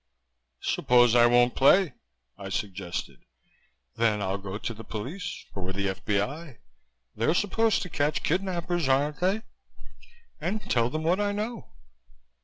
"Suppose I won't play?" I suggested. "Then I'll go to the police or the F.B.I. they're supposed to catch kidnappers, aren't they? and tell them what I know."